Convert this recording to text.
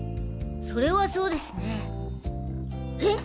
それはそうですね。えっ？